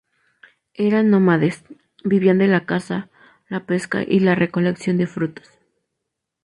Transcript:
Eran nómades, vivían de la caza, la pesca y la recolección de frutos.